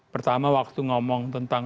pertama waktu ngomong tentang